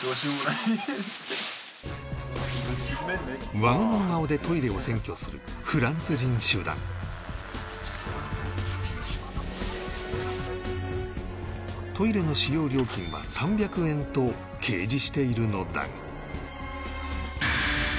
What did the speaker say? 我が物顔でトイレの使用料金は「３００円」と掲示しているのだが